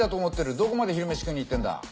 どこまで昼飯食いに行ってんだ。